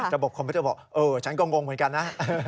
ระบบความผิดสั่งบอกเออฉันกงงเหมือนกันนะ